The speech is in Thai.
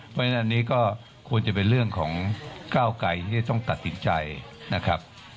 เพราะฉะนั้นอันนี้ก็ควรจะเป็นเรื่องของก้าวไกรที่จะต้องตัดสินใจนะครับ